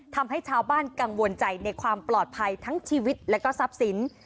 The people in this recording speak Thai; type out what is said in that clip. ทำให้ชาวบ้านกังวลใจในความปลอดภัยทั้งชีวิตและก็ทรัพย์สิน